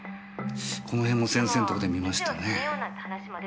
この辺も先生んとこで見ましたねぇ。